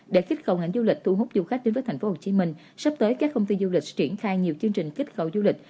để kích cầu ngành du lịch thu hút du khách đến với tp hcm sắp tới các công ty du lịch triển khai nhiều chương trình kích cầu du lịch